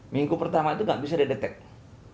minggu pertama itu nggak bisa dideteksi